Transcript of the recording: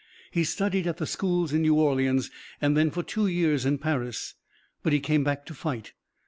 "He studied at the schools in New Orleans and then for two years in Paris. But he came back to fight.